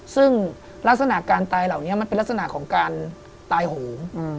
ซึ่งลักษณะการตายเหล่านี้มันเป็นลักษณะของการตายโหง